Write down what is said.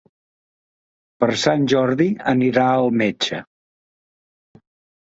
Per Sant Jordi anirà al metge.